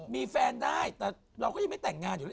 มีแฟนได้แต่เราก็ยังไม่แต่งงานอยู่แล้ว